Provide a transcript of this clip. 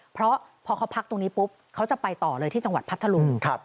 เพราะพอเขาพักตรงนี้ปุ๊บเขาจะไปต่อเลยที่จังหวัดพัทธลุง